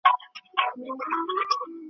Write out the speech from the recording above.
مېنه یوه ده له هري تر بدخشان وطنه `